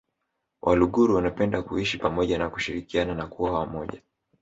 Waluguru wanapenda kuishi pamoja na kushirikiana na kuwa wamoja